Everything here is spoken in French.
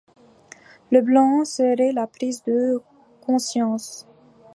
Le blanc serait la prise de conscience.